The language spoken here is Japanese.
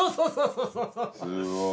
すごい。